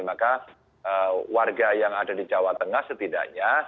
maka warga yang ada di jawa tengah setidaknya